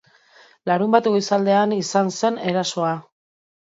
Larunbat goizaldean izan zen erasoa.